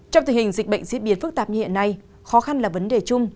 trong tình hình dịch bệnh diễn biến phức tạp như hiện nay khó khăn là vấn đề chung